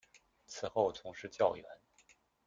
此后从事教员。